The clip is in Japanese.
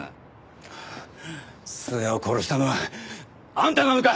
須賀を殺したのはあんたなのか！？